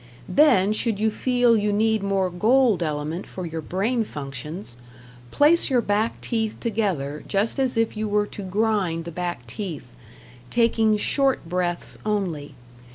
Then should you feel you need more gold element for your brain functions, place your back teeth together just as if you were to grind the back teeth, taking short breaths only.